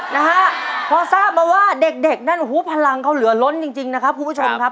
นะฮะพอทราบมาว่าเด็กเด็กนั่นหูพลังเขาเหลือล้นจริงจริงนะครับคุณผู้ชมครับ